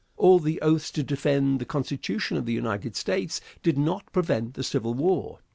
All the oaths to defend the Constitution of the United States did not prevent the Civil War.